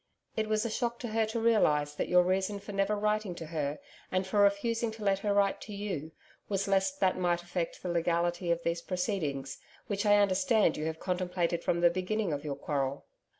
It was a shock to her to realise that your reason for never writing to her and for refusing to let her write to you, was lest that might affect the legality of these proceedings, which I understand you have contemplated from the beginning of your quarrel.